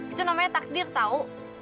itu namanya takdir tau